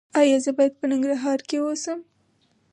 ایا زه باید په ننګرهار کې اوسم؟